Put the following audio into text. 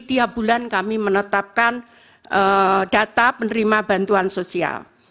tiap bulan kami menetapkan data penerima bantuan sosial